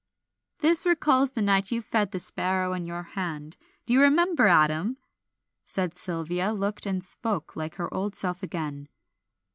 "This recalls the night you fed the sparrow in your hand. Do you remember, Adam?" and Sylvia looked and spoke like her old self again.